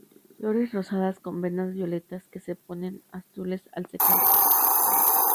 Flores rosadas con venas violetas, que se ponen azules al secarse.